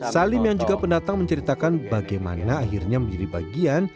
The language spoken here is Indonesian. salim yang juga pendatang menceritakan bagaimana akhirnya menjadi bagian